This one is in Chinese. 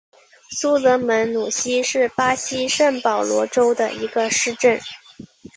苏德门努西是巴西圣保罗州的一个市镇。